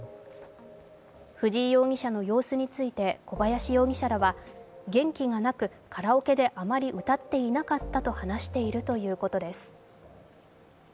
藤井容疑者の様子について小林容疑者らは、元気がなく、カラオケであまり歌っていなかったと話しているということです。